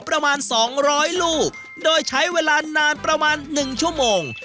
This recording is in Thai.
ประมาณสองร้อยลูกโดยใช้เวลานานประมาณหนึ่งชั่วโมง